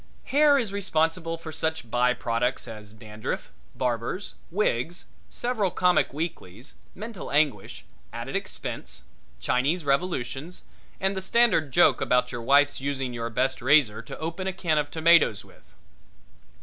Hair is responsible for such byproducts as dandruff, barbers, wigs, several comic weeklies, mental anguish, added expense, Chinese revolutions, and the standard joke about your wife's using your best razor to open a can of tomatoes with.